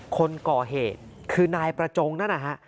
คนก่อเหตุคือนายประจงนั่นนะฮะ